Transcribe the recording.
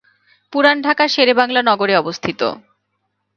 পুরান ঢাকার শেরেবাংলা নগর এ অবস্থিত।